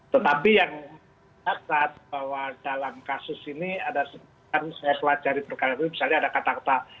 tetapi yang saya lihat bahwa dalam kasus ini ada sebuah yang saya pelajari berkaitan dengan misalnya ada kata kata